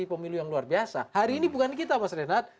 pemilu yang luar biasa hari ini bukan kita mas renat